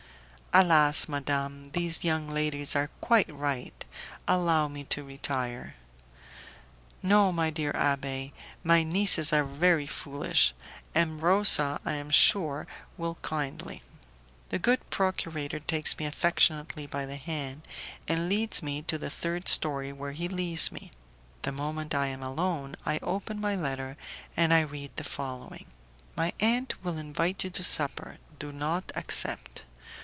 "Alas! madame, these young ladies are quite right. Allow me to retire." "No, my dear abbé, my nieces are very foolish; M. Rosa, I am sure, will kindly." The good procurator takes me affectionately by the hand, and leads me to the third story, where he leaves me. The moment I am alone I open my letter, and I read the following: "My aunt will invite you to supper; do not accept.